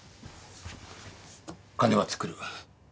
金は作る。